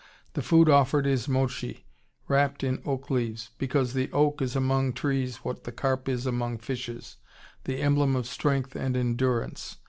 The food offered is mochi wrapped in oak leaves, because the oak is among trees what the carp is among fishes, the emblem of strength and endurance.